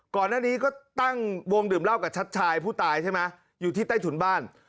ก่อนหน้านี้ก็ตั้งวงดื่มเหล้ากับชัดชายผู้ตายใช่ไหมอยู่ที่ใต้ถุนบ้าน